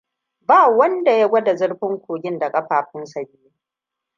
Ba wanda ya gwada zurfin kogin da kafafunsa biyu.